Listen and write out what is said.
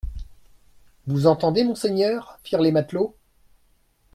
Vous entendez, monseigneur ? firent les matelots.